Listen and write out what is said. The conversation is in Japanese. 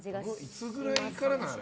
いつぐらいからですか？